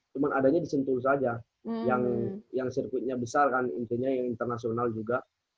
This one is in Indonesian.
cuman adanya di sentulis aja yang sirkuitnya besar kan intinya yang internasional juga